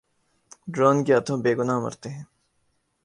Drone کے ہاتھوں بے گناہ مرتے ہیں۔